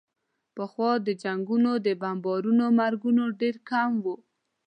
پخوا د جنګونو او بمبارونو مرګونه ډېر کم وو.